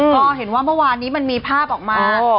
ก็เห็นว่าเมื่อวานนี้มันมีภาพออกมา